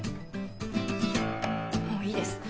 もういいです。